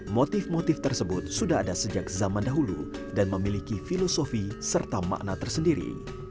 motif motif tersebut sudah ada sejak zaman dahulu dan memiliki filosofi serta makna tersendiri